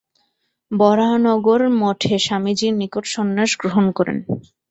বরাহনগর মঠে স্বামীজীর নিকট সন্ন্যাস গ্রহণ করেন।